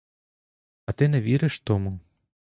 А ти не віриш тому?